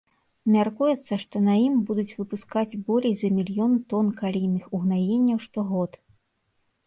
Мяркуецца, што на ім будуць выпускаць болей за мільён тон калійных угнаенняў штогод.